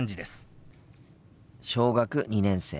小学２年生。